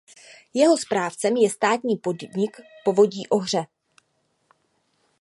Jeho správcem je státní podnik Povodí Ohře.